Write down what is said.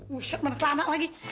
wih syak mana telanak lagi